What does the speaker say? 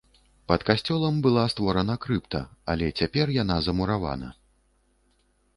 Пад касцёлам была створана крыпта, але цяпер яна замуравана.